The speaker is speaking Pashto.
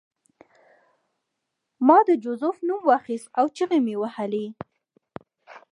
ما د جوزف نوم واخیست او چیغې مې وهلې